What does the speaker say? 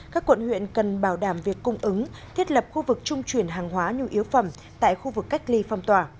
các quận huyện cần bảo đảm việc cung ứng thiết lập khu vực trung chuyển hàng hóa nhu yếu phẩm tại khu vực cách ly phong tỏa